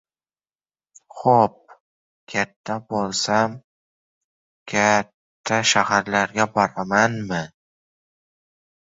— Xo‘p... Katta bo‘lsam, ka-a-atta shaharlarga boramanmi?